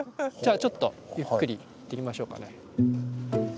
じゃあちょっとゆっくり行ってみましょうかね。